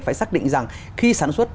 phải xác định rằng khi sản xuất